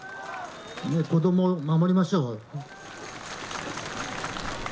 子ども、守りましょう。